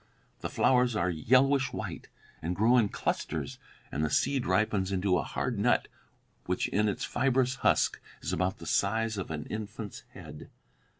The flowers are yellowish white and grow in clusters, and the seed ripens into a hard nut which in its fibrous husk is about the size of an infant's head."